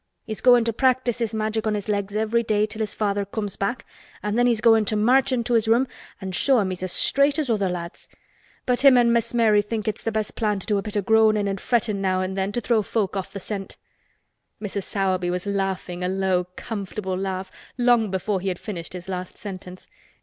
He's goin' to practise his Magic on his legs every day till his father comes back an' then he's goin' to march into his room an' show him he's as straight as other lads. But him an' Miss Mary thinks it's best plan to do a bit o' groanin' an' frettin' now an' then to throw folk off th' scent." Mrs. Sowerby was laughing a low comfortable laugh long before he had finished his last sentence.